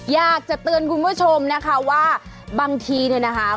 อยากจะเตือนคุณผู้ชมนะคะว่าบางทีเนี่ยนะคะ